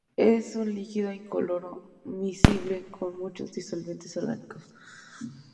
Es un líquido incoloro, miscible con muchos disolventes orgánicos.